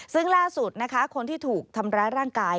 ซึ่งล่าสุดนะคะคนที่ถูกทำร้ายร่างกาย